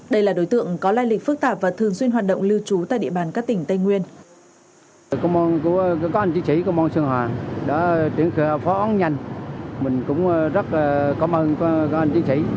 đây là đối tượng có lai lịch phức tạp và thường xuyên hoạt động lưu trú tại địa bàn các tỉnh tây nguyên